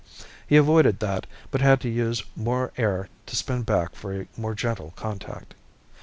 He avoided that, but had to use more air to spin back for a more gentle contact.